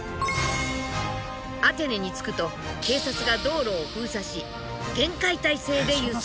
アテネに着くと警察が道路を封鎖し厳戒態勢で輸送。